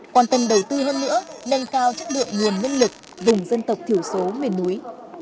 quan tâm đầu tư hơn nữa nâng cao chất lượng nguồn nhân lực vùng dân tộc thiểu số miền núi